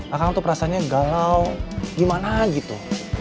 akang tuh perasanya galau gimana gitu